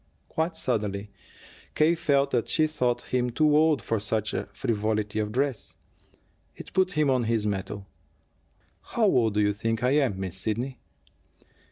Quite suddenly K. felt that she thought him too old for such frivolity of dress. It put him on his mettle. "How old do you think I am, Miss Sidney?"